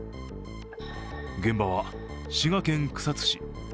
現場は滋賀県草津市。